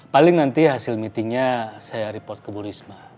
paling nanti hasil meetingnya saya report ke bu risma